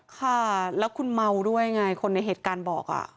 ค่ะแล้วคุณเมาด้วยไงคนในเหตุการณ์บอก